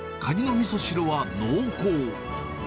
カニのみそ汁は濃厚。